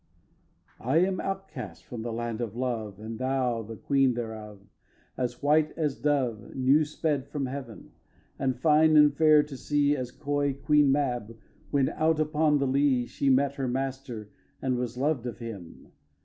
vi. I am an outcast from the land of love And thou the Queen thereof, as white as dove New sped from Heaven, and fine and fair to see As coy Queen Mab when, out upon the lea, She met her master and was lov'd of him.